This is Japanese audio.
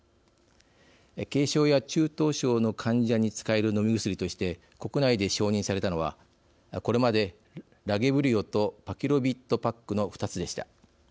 軽症や中等症の患者に使える飲み薬として国内で承認されたのはこれまでラゲブリオとパキロビッドパックの２つでした。